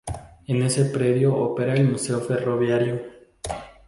En ese predio opera el Museo Ferroviario.